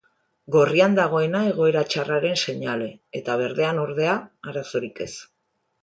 Gorrian dagoena egoera txarraren seinale, eta berdean ordea, arazorik ez!